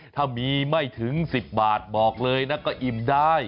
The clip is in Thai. ถ้ามีไม่ถึง๑๐บาทบอกเลยนะก็อิ่มได้